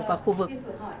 và khu vực